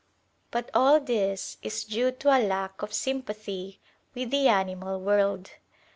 But all this is due to a lack of sympathy with the animal world.